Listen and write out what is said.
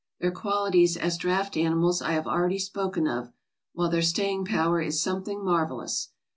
Their qualities as draught animals I have already spoken of, while their staying power is some thing marvelous.